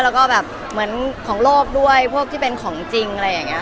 แล้วก็แบบเหมือนของโลกด้วยพวกที่เป็นของจริงอะไรอย่างนี้